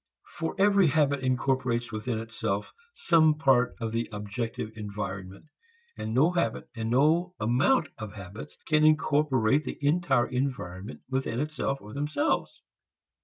For every habit incorporates within itself some part of the objective environment, and no habit and no amount of habits can incorporate the entire environment within itself or themselves.